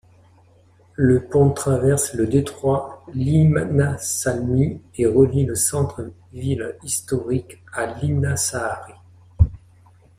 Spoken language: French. Le pont traverse le détroit Linnasalmi et relie le centre ville historique à Linnasaari.